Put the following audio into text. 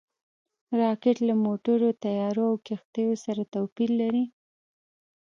راکټ له موټرو، طیارو او کښتیو سره توپیر لري